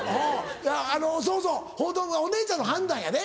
いやあのそうそうお姉ちゃんの判断やで。